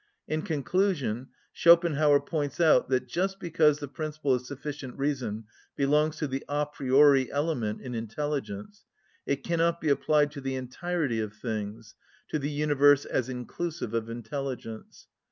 In conclusion, Schopenhauer points out that just because the principle of sufficient reason belongs to the a priori element in intelligence, it cannot be applied to the entirety of things, to the universe as inclusive of intelligence.